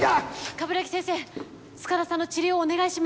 鏑木先生塚田さんの治療をお願いします。